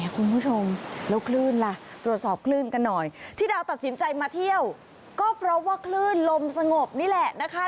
คุณผู้ชมแล้วคลื่นล่ะตรวจสอบคลื่นกันหน่อยที่ดาวตัดสินใจมาเที่ยวก็เพราะว่าคลื่นลมสงบนี่แหละนะคะ